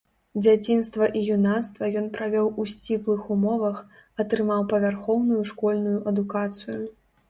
Дзяцінства і юнацтва ён правёў у сціплых умовах, атрымаў павярхоўную школьную адукацыю.